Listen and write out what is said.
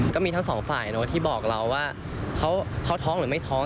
ก็มีทั้งสองฝ่ายที่บอกเราว่าเขาท้องหรือไม่ท้อง